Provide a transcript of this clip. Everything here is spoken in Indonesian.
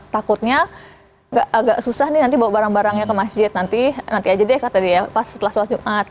takutnya agak susah nih nanti bawa barang barangnya ke masjid nanti nanti aja deh kata dia pas setelah sholat jumat